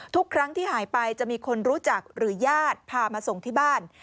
ทุกครั้งที่หายไปจะมีคนรู้จักหรือญาติพามาส่งที่บ้าน